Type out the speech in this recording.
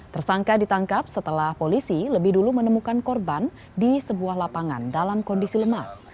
tersangka ditangkap setelah polisi lebih dulu menemukan korban di sebuah lapangan dalam kondisi lemas